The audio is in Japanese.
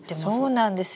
そうなんです。